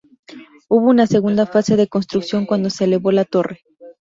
Hubo una segunda fase de construcción cuando se elevó la torre.